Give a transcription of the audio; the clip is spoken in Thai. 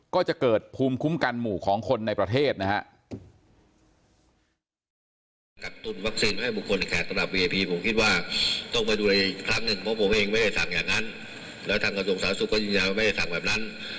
ก็จะเกิดภูมิคุ้มกันหมู่ของคนในประเทศนะฮะ